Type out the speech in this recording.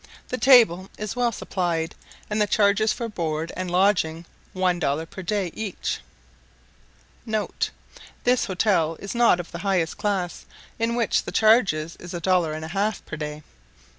The table is well supplied, and the charges for board and lodging one dollar per day each*. [* This hotel is not of the highest class, in which the charge is a dollar and a half per day.